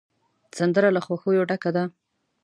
سندره له خوښیو ډکه ده